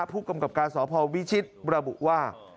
ผู้กำกับการสอบภาววิชิตบรบุว่า